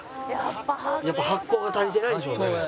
やっぱ発酵が足りてないんでしょうね。